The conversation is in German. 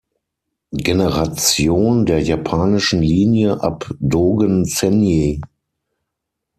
Generation der japanischen Linie ab Dogen-Zenji.